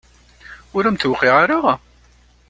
Ur am-d-tuqiɛ ara?